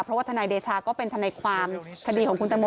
เพราะว่าทนายเดชาก็เป็นทนายความคดีของคุณตังโม